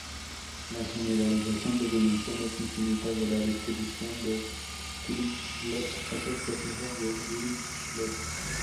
La generalización de dimensiones-infinitas de la distribución de Dirichlet es el proceso de Dirichlet.